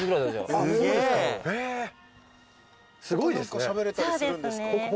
他に何かしゃべれたりするんですか？